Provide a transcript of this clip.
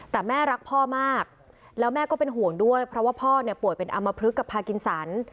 แต่แม่รักพ่อมากแล้วแม่ก็เป็นห่วงด้วยเพราะว่าพ่อเนี่ยป่วยเป็นอำมพลึกกับพากินสัน